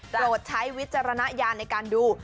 โปรดใช้วิจารณญาณในการดู